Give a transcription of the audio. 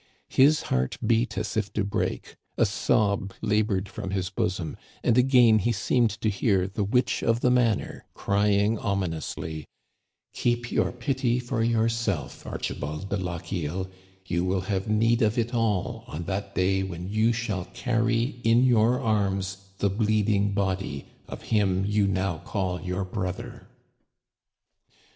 His heart beat as if to break ; a sob labored from his bosom, and again he seemed to hear the witch of the manor cry ing ominously :" Keep your pity for yourself, Archibald de Lochiel You will have need of it all on that day Digitized by VjOOQIC 204 THE CANADIANS OF OLD. when you shall carry in your arms the bleeding body of him you now call your brother